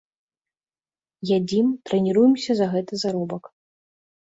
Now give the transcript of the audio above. Ядзім, трэніруемся за гэты заробак.